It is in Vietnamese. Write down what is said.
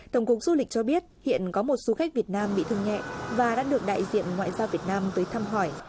tổng cục du lịch cho biết hiện có một du khách việt nam bị thương nhẹ và đã được đại diện ngoại giao việt nam tới thăm hỏi